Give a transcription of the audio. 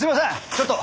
ちょっと。